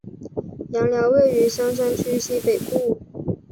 杨寮位于香山区西北部。